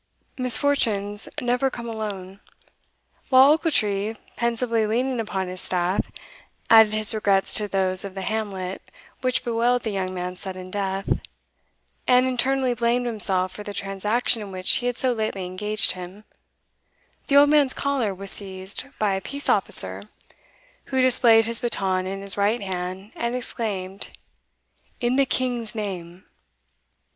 Misfortunes never come alone. While Ochiltree, pensively leaning upon his staff, added his regrets to those of the hamlet which bewailed the young man's sudden death, and internally blamed himself for the transaction in which he had so lately engaged him, the old man's collar was seized by a peace officer, who displayed his baton in his right hand, and exclaimed, "In the king's name."